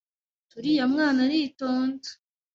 ati uriya mwana aritonda